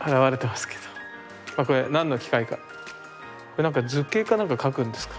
何の機械か図形か何か描くんですか？